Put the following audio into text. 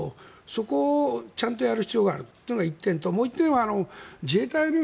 そこをちゃんとやる必要があるというのが１点ともう１点は、自衛隊です。